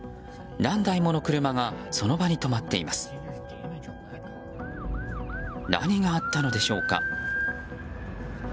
何があったのでしょうか。